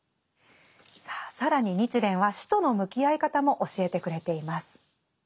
さあ更に日蓮は死との向き合い方も教えてくれています。